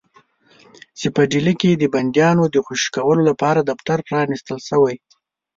چې په ډهلي کې د بندیانو د خوشي کولو لپاره دفتر پرانیستل شوی.